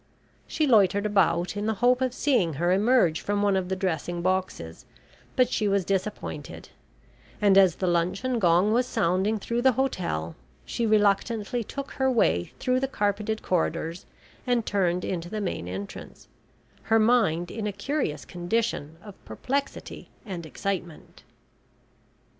She loitered about in the hope of seeing her emerge from one of the dressing boxes, but she was disappointed, and as the luncheon gong was sounding through the hotel she reluctantly took her way through the carpeted corridors and turned into the main entrance, her mind in a curious condition of perplexity and excitement.